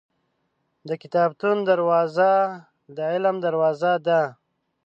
• د کتابتون دروازه د علم دروازه ده.